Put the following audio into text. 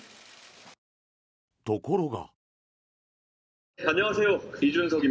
ところが。